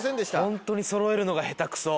ホントにそろえるのが下手くそ。